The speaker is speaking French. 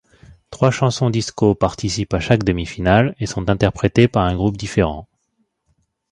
Trois chansons disco participent à chaque demi-finale et sont interprétées par un groupe différent.